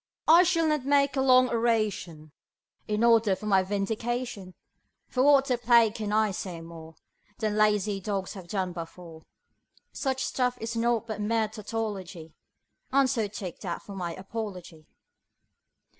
I shall not make a long oration in order for my vindication, For what the plague can I say more Than lazy dogs have done before; Such stuff is naught but mere tautology, And so take that for my apology.